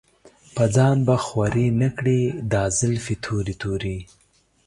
پۀ ځان به خوَرې نۀ کړې دا زلفې تورې تورې